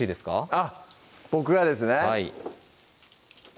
あっ僕がですね